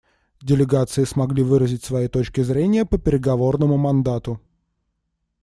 Делегации смогли выразить свои точки зрения по переговорному мандату.